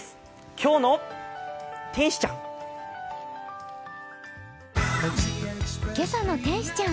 「今日の天使ちゃん」